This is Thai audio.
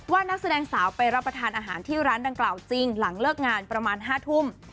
นักแสดงสาวไปรับประทานอาหารที่ร้านดังกล่าวจริงหลังเลิกงานประมาณ๕ทุ่ม